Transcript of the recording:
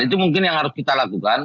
itu mungkin yang harus kita lakukan